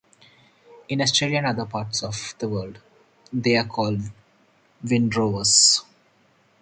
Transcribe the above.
In Australia and other parts of the world, they are called "windrowers".